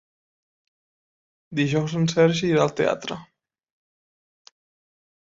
Dijous en Sergi irà al teatre.